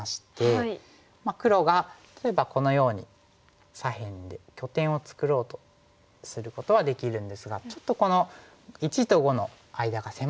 黒が例えばこのように左辺で拠点を作ろうとすることはできるんですがちょっとこの①と⑤の間が狭いんですよね。